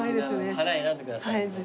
花選んでください。